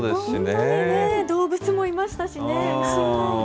本当にね、動物もいましたしね。